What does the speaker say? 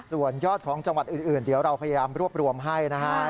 ส่วนยอดของจังหวัดอื่นเดี๋ยวเราพยายามรวบรวมให้นะครับ